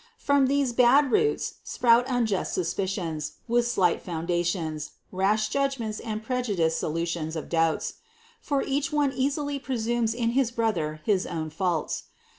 From these bad roots sprout unjust suspicions with slight foundations, rash judgments and prejudiced solution of doubts; for each one easily presumes in his brother his own faults.